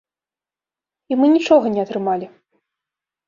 І мы нічога не атрымалі.